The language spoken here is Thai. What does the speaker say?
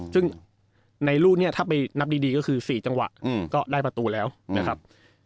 ซึ่งในลูกนี้ถ้าไปนับดีก็คือ๔จังหวะก็ได้ประตูแล้วนะครับ